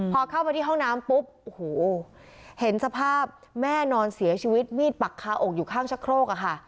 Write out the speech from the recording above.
พอเข้าไปที่ห้องน้ำปุ๊บโอ้โหเห็นสภาพแม่นอนเสียชีวิตมีดปักคาอกอยู่ข้างชะโครกอะค่ะ